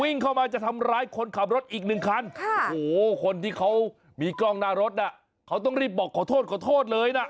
วิ่งเข้ามาจะทำร้ายคนขับรถอีกหนึ่งคันคนที่เขามีกล้องหน้ารถต้องรีบบอกขอโทษเลยนะ